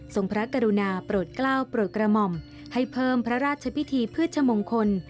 พระกรุณาโปรดกล้าวโปรดกระหม่อมให้เพิ่มพระราชพิธีพืชมงคล